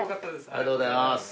ありがとうございます。